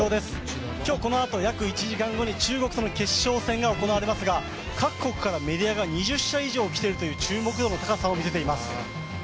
今日このあと約１時間後に中国との決勝戦が行われますが各国からメディアが２０社以上来ているという注目度の高さがうかがえます。